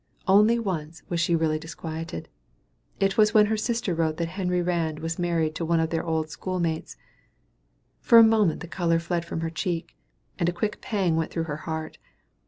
Only once was she really disquieted. It was when her sister wrote that Henry Rand was married to one of their old school mates. For a moment the color fled from her cheek, and a quick pang went through her heart.